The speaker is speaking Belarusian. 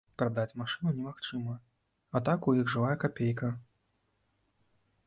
Прадаць машыну немагчыма, а так у іх жывая капейка.